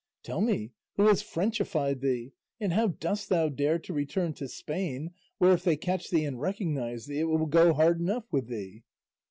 Tell me, who has frenchified thee, and how dost thou dare to return to Spain, where if they catch thee and recognise thee it will go hard enough with thee?"